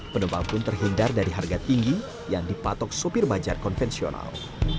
penumpang pun terhindar dari harga tinggi yang dipatok sopir bajar konvensional